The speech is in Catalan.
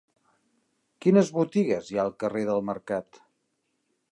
Quines botigues hi ha al carrer del Mercat?